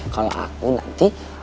kalau aku nanti